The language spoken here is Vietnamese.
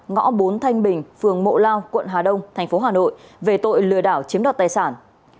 ngõ bốn thanh bình phường mộ lao quận hà đông thành phố hà nội về tội lừa đảo chiếm đoạt tài sản